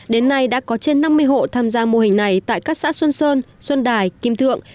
đến nay đã có trên năm mươi hộ tham gia mô hình này tại các xã xuân sơn xuân đài kim thượng